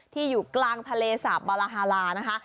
ที่อยู่กลางทะเลสาปราฮารานะคะ